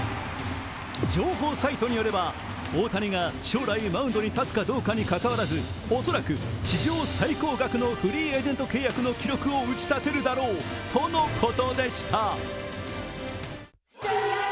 情報サイトによれば、大谷が将来マウンドに立つかどうかにかかわらず恐らく史上最高額のフリーエージェント契約の記録を打ちたてるだろうとのことでした。